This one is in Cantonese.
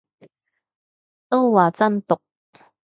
都話真毒